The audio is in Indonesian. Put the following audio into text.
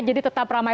jadi tetap ramai